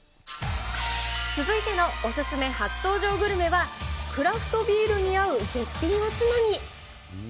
続いてのお勧め初登場グルメは、クラフトビールに合う絶品おつまみ。